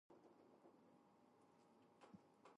In most respects, it is a case of pure functional programming.